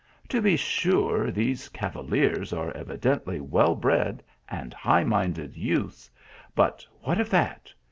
To be sure, these cavaliers are evidently well bred and high minded youths but what of that